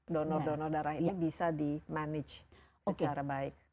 donor donor darah ini bisa di manage secara baik